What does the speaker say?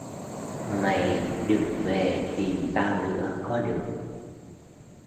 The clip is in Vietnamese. Mày đừng về tìm tao nữa có được